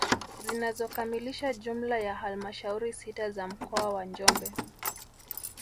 Zinazokamilisha jumla ya halmashauri sita za mkoa wa Njombe